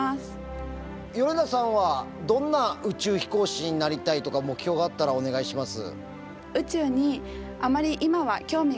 米田さんはどんな宇宙飛行士になりたいとか目標があったらお願いします。